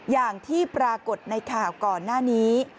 อย่างที่ปรากฏในข่าวก่อนหน้านี้